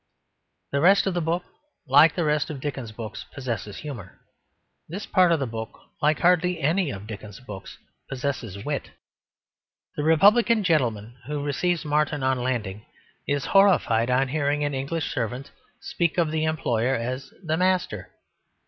The rest of the book, like the rest of Dickens's books, possesses humour. This part of the book, like hardly any of Dickens's books, possesses wit. The republican gentleman who receives Martin on landing is horrified on hearing an English servant speak of the employer as "the master."